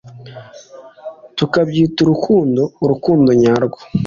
tukabyita urukundo - urukundo nyarwo. ”